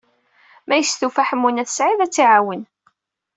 Ma yestufa Ḥemmu n At Sɛid, ad tt-iɛawen.